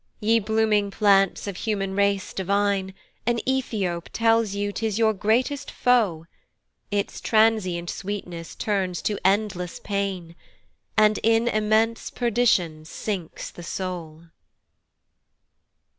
Ye blooming plants of human race divine, An Ethiop tells you 'tis your greatest foe; Its transient sweetness turns to endless pain, And in immense perdition sinks the soul.